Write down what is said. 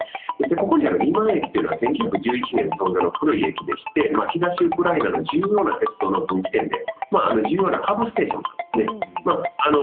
ここにあるリマン駅は１９１１年創業の古い駅でして、東ウクライナの重要な鉄道の分岐点で重要なハブステーションなんですね。